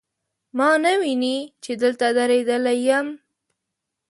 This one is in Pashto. ما نه ویني، چې دلته دریدلی یم